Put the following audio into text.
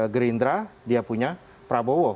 gerindra dia punya prabowo